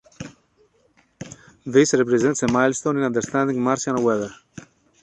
This represents a milestone in understanding Martian weather.